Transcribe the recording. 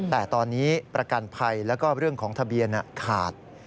แต่ตอนนี้ประกันภัยแล้วก็เรื่องของทะเบียนขาด